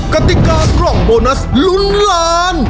กติกากล่องโบนัสลุ้นล้าน